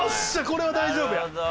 これは大丈夫。